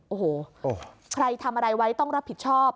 โอ้โหใครทำอะไรไว้ต้องรับผิดชอบ